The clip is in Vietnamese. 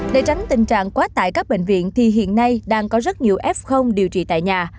để tránh tình trạng quá tải các bệnh viện thì hiện nay đang có rất nhiều f điều trị tại nhà